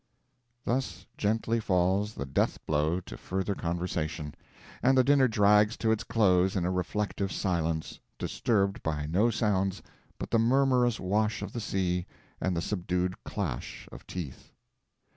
Thus gently falls the death blow to further conversation, and the dinner drags to its close in a reflective silence, disturbed by no sounds but the murmurous wash of the sea and the subdued clash of teeth.